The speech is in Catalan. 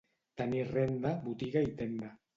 Tenir renda, botiga i tenda.